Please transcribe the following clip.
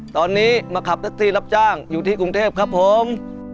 ตอนนี้มาขับแท็กซี่รับจ้างอยู่ที่กรุงเทพครับผม